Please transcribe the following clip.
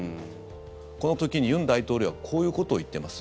この時に尹大統領はこういうことを言っています。